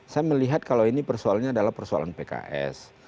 saya melihat kalau ini persoalannya adalah persoalan pks